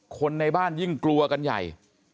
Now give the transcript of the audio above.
คนในบ้านยิ่งกลัวกันใหญ่